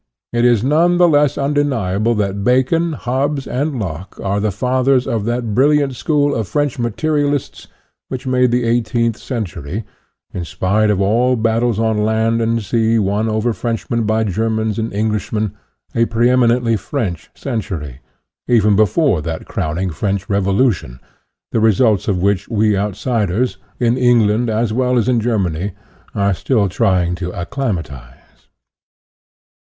It is none . the less undeniable that Bacon, Hobbes, and Locke are the fathers of that brilliant school of French materialists which made the eighteenth century, in spite of all battles on land and sea won over Frenchmen by Germans and English men, a pre eminently French century, even be fore that crowning French Revolution, the results of which we outsiders, in England as well as in Germany, are still trying to acclimatize.